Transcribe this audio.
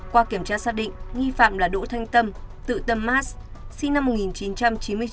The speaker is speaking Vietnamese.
qua kiểm tra xác định nghi phạm là đỗ thanh tâm tự tâm mas sinh năm một nghìn chín trăm chín mươi chín